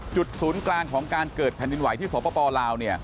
ศูนย์กลางของการเกิดแผ่นดินไหวที่สปลาว